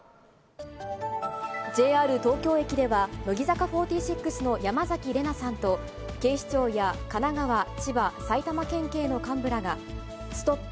ＪＲ東京駅では、乃木坂４６の山崎怜奈さんと、警視庁や神奈川、千葉、埼玉県警の幹部らが、ＳＴＯＰ！